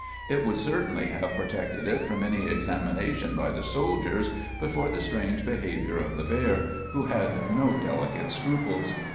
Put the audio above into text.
It would certainly have protected it from any examination by the soldiers but for the strange behavior of the bear, who had no delicate scruples.